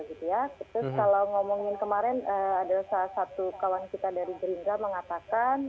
terus kalau ngomongin kemarin ada salah satu kawan kita dari gerindra mengatakan